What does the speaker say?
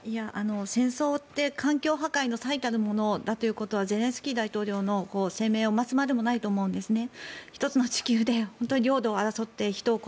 戦争って環境破壊の最たるものだということはゼレンスキー大統領の声明を待つまでもないと思うんですね。